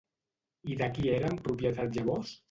I de qui eren propietat llavors?